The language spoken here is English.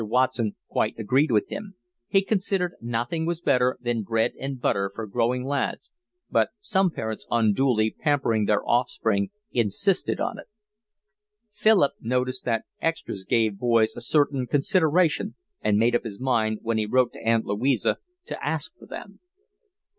Watson quite agreed with him—he considered nothing was better than bread and butter for growing lads—but some parents, unduly pampering their offspring, insisted on it. Philip noticed that 'extras' gave boys a certain consideration and made up his mind, when he wrote to Aunt Louisa, to ask for them.